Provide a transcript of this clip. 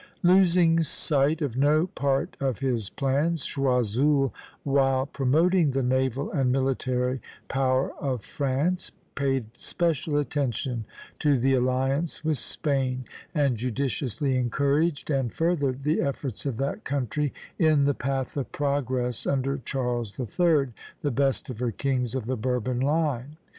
Losing sight of no part of his plans, Choiseul, while promoting the naval and military power of France, paid special attention to the alliance with Spain and judiciously encouraged and furthered the efforts of that country in the path of progress under Charles III., the best of her kings of the Bourbon line.